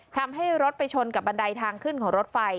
ทำให้รถไปชนกับบันไดทางขึ้นของรถไฟ